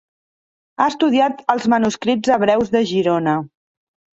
Ha estudiat els manuscrits hebreus de Girona.